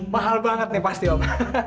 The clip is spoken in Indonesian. mahal banget nih pasti om